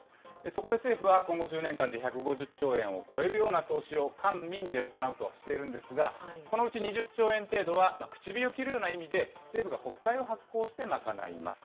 そこで政府は今後１０年間で１５０兆円を超えるような投資を官民で行うとしているんですが、このうち２０兆円程度は口火を切るような意味で、政府が国債を発行して賄います。